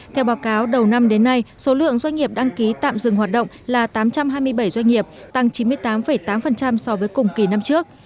theo báo cáo đầu năm đến nay số lượng doanh nghiệp đăng ký tạm dừng hoạt động là tám trăm hai mươi bảy doanh nghiệp tăng chín mươi tám tám so với cùng kỳ năm trước